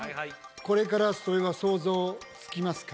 これからそれが想像つきますか？